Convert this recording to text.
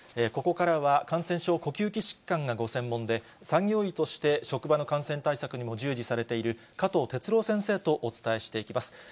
ここからは、感染症、呼吸器疾患がご専門で、産業医として職場の感染対策にも従事されている加藤哲朗先生とお伝えしていきます。